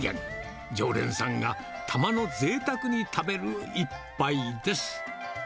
常連さんがたまのぜいたくに食べる一杯です。